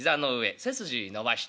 背筋伸ばして。